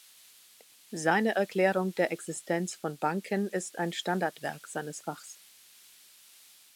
Seine Erklärung der Existenz von Banken ist ein Standardwerk seines Fachs.